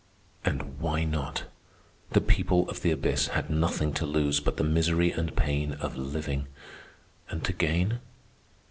And why not? The people of the abyss had nothing to lose but the misery and pain of living. And to gain?